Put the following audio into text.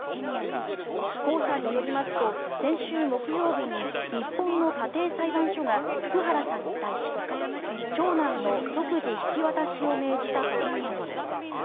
コウさんによりますと先週木曜日に日本の家庭裁判所が福原さんに対し長男の即時引き渡しを命じたということです。